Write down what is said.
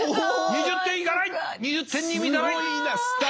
２０点に満たない。